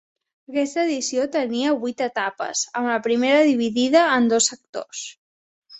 Aquesta edició tenia vuit etapes, amb la primera dividida en dos sectors.